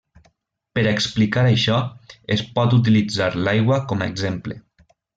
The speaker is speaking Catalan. Per a explicar això es pot utilitzar l'aigua com a exemple.